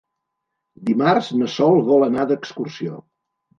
Dimarts na Sol vol anar d'excursió.